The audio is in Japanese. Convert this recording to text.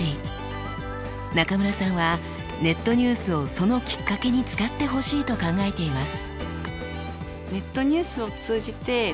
中村さんはネットニュースをそのきっかけに使ってほしいと考えています。